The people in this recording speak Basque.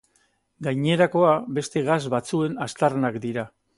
Gainerakoa beste gas batzuen aztarnak dira.